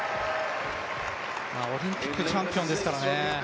オリンピックチャンピオンですからね。